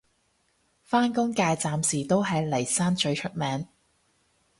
返工界暫時都係嚟生最出名